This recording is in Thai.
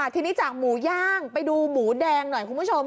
ทีนี้จากหมูย่างไปดูหมูแดงหน่อยคุณผู้ชม